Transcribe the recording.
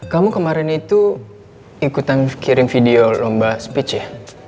kamu kemarin itu ikutan kirim video lomba speech ya